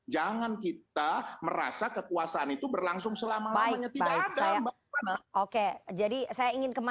jangan kita merasa kekuasaan itu berlangsung selama lamanya